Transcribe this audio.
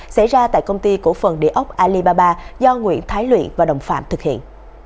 xảy ra tại công ty cổ phần địa ốc alibaba do nguyễn thái luyện và đồng phạm thực hiện